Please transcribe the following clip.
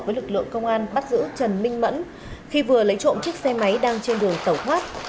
với lực lượng công an bắt giữ trần minh mẫn khi vừa lấy trộm chiếc xe máy đang trên đường tẩu thoát